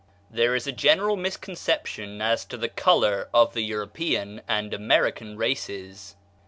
There is a general misconception as to the color of the European and American races.